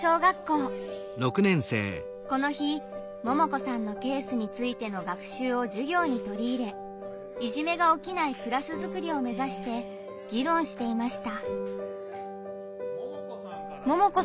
この日ももこさんのケースについての学習を授業に取り入れいじめが起きないクラスづくりを目指して議論していました。